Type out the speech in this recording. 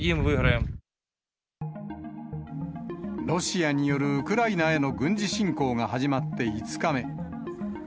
ロシアによるウクライナへの軍事侵攻が始まって５日目。